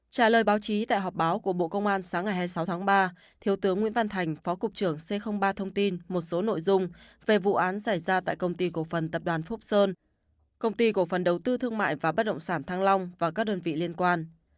trả lời báo chí tại họp báo của bộ công an sáng ngày hai mươi sáu tháng ba thiếu tướng nguyễn văn thành phó cục trưởng c ba thông tin một số nội dung về vụ án xảy ra tại công ty cổ phần tập đoàn phúc sơn công ty cổ phần đầu tư thương mại và bất động sản thăng long và các đơn vị liên quan